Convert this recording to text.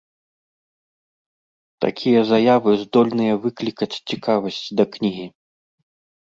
Такія заявы здольныя выклікаць цікавасць да кнігі.